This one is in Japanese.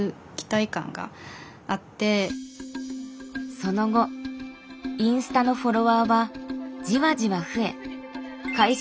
その後インスタのフォロワーはじわじわ増え開始